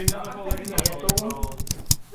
Мыят огым.